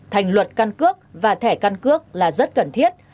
thành luật căn cước và thẻ căn cước là rất cần thiết